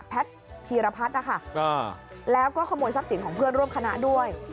พีรพัฒน์นะคะแล้วก็ขโมยทรัพย์สินของเพื่อนร่วมคณะด้วย